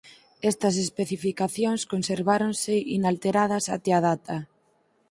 Estas especificacións conserváronse inalteradas até a data.